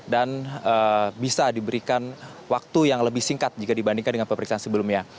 dan bisa diberikan waktu yang lebih singkat jika dibandingkan dengan pemeriksaan sebelumnya